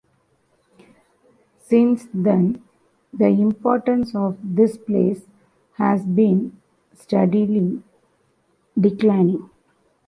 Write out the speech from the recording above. Since then, the importance of this place has been steadily declining.